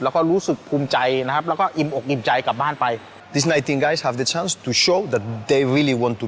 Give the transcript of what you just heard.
แล้วก็รู้สึกภูมิใจนะครับแล้วก็อิ่มอกอิ่มใจกลับบ้านไป